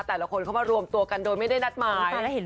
แต่ละคนเขามารวมตัวกันโดยไม่ได้นัดหมาย